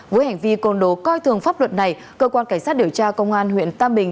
với hành vi côn đồ coi thường pháp luật này cơ quan cảnh sát điều tra công an huyện tam bình